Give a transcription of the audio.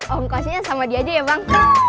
orang kasihnya sama dia aja ya bang